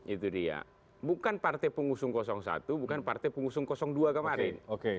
itu dia bukan partai pengusung satu bukan partai pengusung dua kemarin